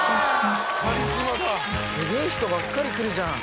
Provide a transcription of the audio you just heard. すげぇ人ばっかり来るじゃん。